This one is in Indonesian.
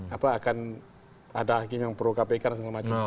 apa akan ada hakim yang pro kpk dan semacamnya